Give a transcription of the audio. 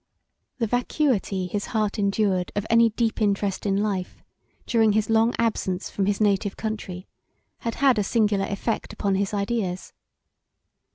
The vacuity his heart endured of any deep interest in life during his long absence from his native country had had a singular effect upon his ideas.